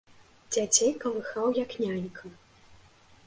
Дзяцей калыхаў, як нянька.